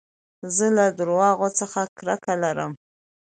زه له درواغو څخه کرکه لرم.